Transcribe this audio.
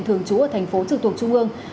thường trú ở thành phố trực thuộc trung ương